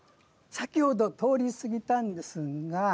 先ほど通り過ぎたんですが。